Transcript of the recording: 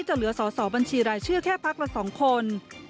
เหลือสอสอบัญชีรายชื่อแค่พักละ๒คน